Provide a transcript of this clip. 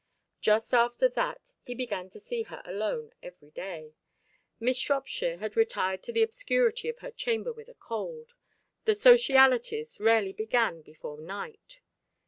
Just after that he began to see her alone every day; Miss Shropshire had retired to the obscurity of her chamber with a cold, and socialities rarely began before night.